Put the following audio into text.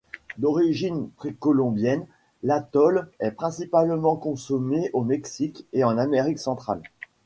D'origine précolombienne, l'atole est principalement consommé au Mexique et en Amérique centrale.